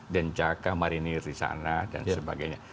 dencaka marini risana dan sebagainya